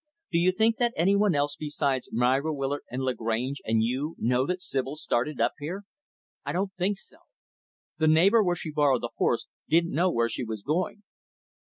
Do you think that any one else besides Myra Willard and Lagrange and you know that Sibyl started up here?" "I don't think so. The neighbor where she borrowed the horse didn't know where she was going."